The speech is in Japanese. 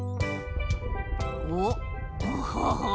おっおほほ。